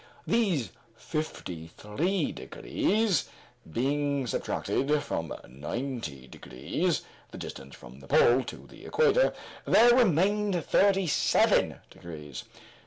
These fifty three degrees being subtracted from ninety degrees the distance from the pole to the equator there remained thirty seven degrees.